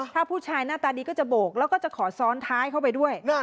ถ้าผู้ชายหน้าตาดีก็จะโบกแล้วก็จะขอซ้อนท้ายเข้าไปด้วย